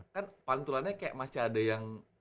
kan pantulannya kayak masih ada yang